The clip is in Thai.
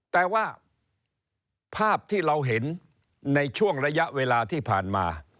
แต่ว่าภาพที่เราเห็นในช่วงระยะเวลาที่ผ่านมา